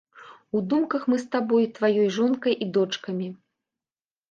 У думках мы з табой, тваёй жонкай і дочкамі.